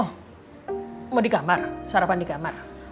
oh mau di kamar sarapan di kamar